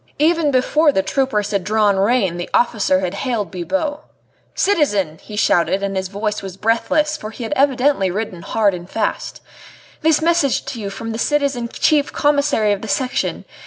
Even before the troopers had drawn rein the officer had hailed Bibot. "Citizen," he shouted, and his voice was breathless, for he had evidently ridden hard and fast, "this message to you from the citizen Chief Commissary of the Section.